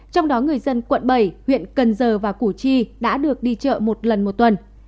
trong đó người dân quận bảy huyện cần giờ và củ chi đã được đi chợ một lần một tuần